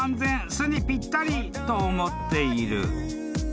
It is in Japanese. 巣にぴったりと思っている］